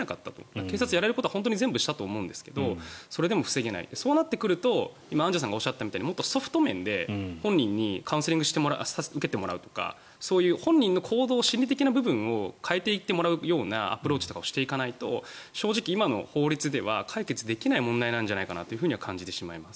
警察はできることを全てしたと思うんですけどそれでも防げないとなってくると今、アンジュさんがおっしゃったようにもっとソフト面で本人にカウンセリングを受けてもらうとか本人の心理的な部分を変えていってもらうようなアプローチをしていかないと正直、今の法律では解決できない問題なんじゃないかなと感じてしまいます。